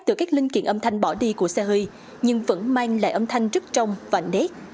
từ các linh kiện âm thanh bỏ đi của xe hơi nhưng vẫn mang lại âm thanh rất trong và nét